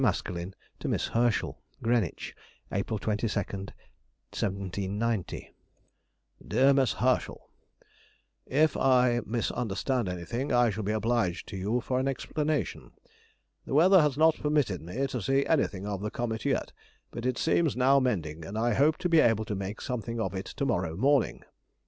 MASKELYNE TO MISS HERSCHEL. GREENWICH, April 22, 1790. DEAR MISS HERSCHEL,— If I misunderstand anything I shall be obliged to you for an explanation. The weather has not permitted me to see anything of the comet yet, but it seems now mending, and I hope to be able to make something of it to morrow morning.